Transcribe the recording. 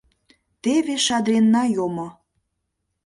— Теве Шадринна йомо.